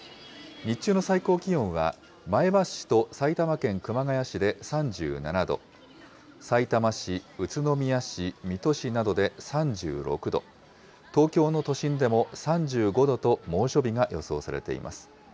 日中の最高気温は、前橋市と埼玉県熊谷市で３７度、さいたま市、宇都宮市、水戸市などで３６度、東京都の都心でも３５度と猛暑日が予想されています。